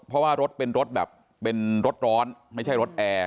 เพราะว่ารถเป็นรถร้อนไม่ใช่รถแอร์